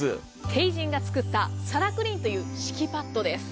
帝人が作ったサラクリーンという敷パッドです。